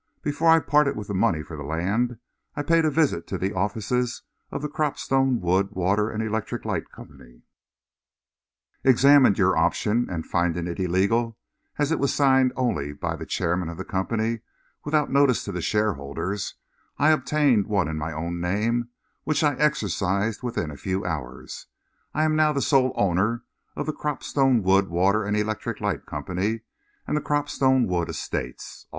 Before I parted with the money for the land, I paid a visit to the offices of the Cropstone Wood, Water and Electric Light Company, examined your option, and finding it illegal, as it was signed only by the Chairman of the company, without notice to the shareholders, I obtained one in my own name, which I exercised within a few hours. I am now the sole owner of the Cropstone Wood, Water and Electric Light Company and the Cropstone Wood Estates.